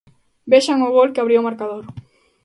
Vexan o gol que abría o marcador.